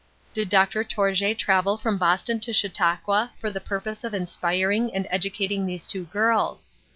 Did Dr. Tourjée travel from Boston to Chautauqua for the purpose of inspiring and educating these two girls.